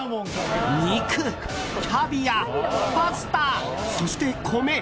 肉、キャビア、パスタそして米。